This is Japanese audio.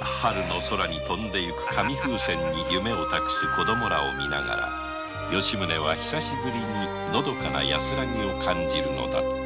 春の空に飛んで行く紙風船に夢を託す子供らを見ながら吉宗はのどかな安らぎを感じるのだった